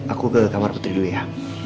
aku ke kamar putri dulu ya